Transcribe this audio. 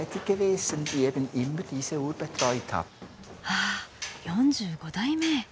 はあ４５代目！？